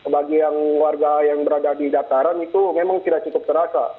bagi yang warga yang berada di dataran itu memang tidak cukup terasa